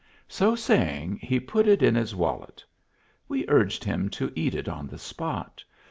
So saying, he put it in his wallet. We urged him to eat it on the spot.